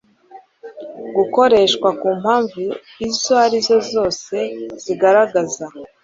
gukoreshwa ku mpamvu izo ari zo zose zigaragaza